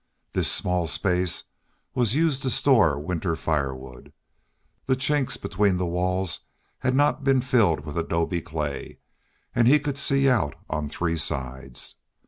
This small space was used to store winter firewood. The chinks between the walls had not been filled with adobe clay, and he could see out on three sides.